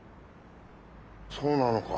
そうなのか。